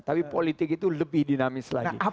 tapi politik itu lebih dinamis lagi